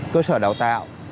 cơ sở đào tạo